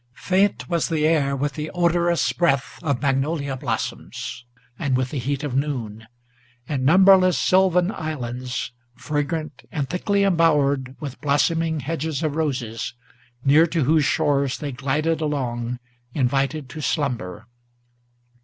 Faint was the air with the odorous breath of magnolia blossoms, And with the heat of noon; and numberless sylvan islands, Fragrant and thickly embowered with blossoming hedges of roses, Near to whose shores they glided along, invited to slumber.